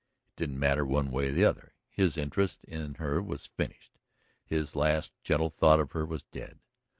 It didn't matter one way or another. His interest in her was finished, his last gentle thought of her was dead.